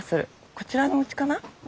こちらのおうちかな？